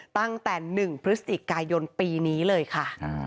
ตั้งแต่๑พฤศจิกายนปีนี้เลยค่ะ